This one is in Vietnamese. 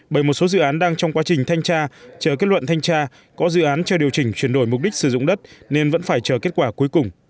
bởi một số dự án đang trong quá trình thanh tra chờ kết luận thanh tra có dự án cho điều chỉnh chuyển đổi mục đích sử dụng đất nên vẫn phải chờ kết quả cuối cùng